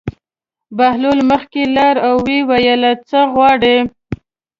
بهلول مخکې لاړ او ویې ویل: څه غواړې.